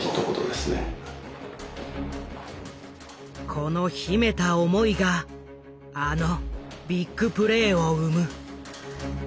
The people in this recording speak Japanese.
この秘めた思いがあのビッグプレーを生む。